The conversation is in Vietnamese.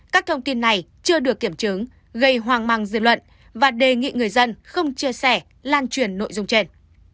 các thông tin này chưa được kiểm chứng gây hoang mang dư luận và đề nghị người dân không chia sẻ lan truyền nội dung trên